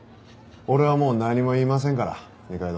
俺はもう何も言いませんから二階堂さん。